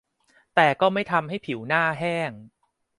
แต่ก็ไม่ทำให้ผิวหน้าแห้ง